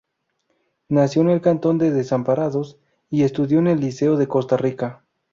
Nació en el cantón de Desamparados y estudió en el Liceo de Costa Rica.